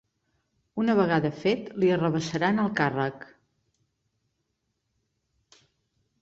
Una vegada fet, li arrabassaran el càrrec.